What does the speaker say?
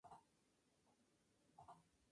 El otro ser, es difícil de identificar.